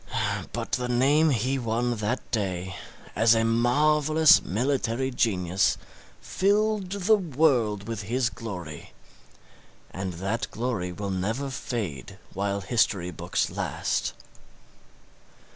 But the name he won that day as a marvellous military genius filled the world with his glory, and that glory will never fade while history books last.